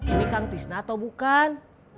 ini kang tisna atau bukan